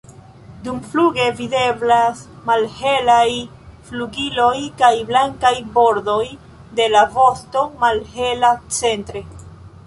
Dumfluge videblas malhelaj flugiloj kaj blankaj bordoj de la vosto, malhela centre.